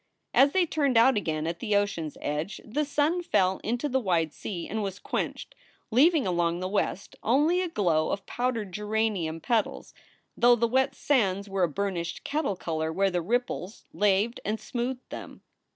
As they turned out again at the ocean s edge the sun fell into the wide sea and was quenched, leaving along the west only a glow of powdered geranium petals, though the wet sands were a burnished kettle color where the ripples laved and smoothed them.